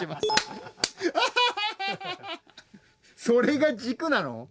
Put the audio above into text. それが軸なの？